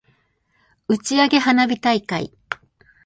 打ち上げ花火大会